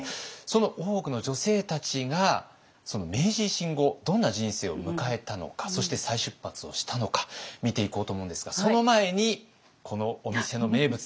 その大奥の女性たちが明治維新後どんな人生を迎えたのかそして再出発をしたのか見ていこうと思うんですがその前にこのお店の名物であります